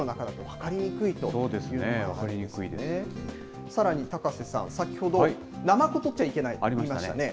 分かりにくいでさらに高瀬さん、先ほどナマコ取っちゃいけないってありましたね。